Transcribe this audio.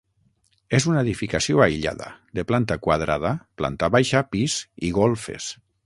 És una edificació aïllada, de planta quadrada, planta baixa, pis i golfes.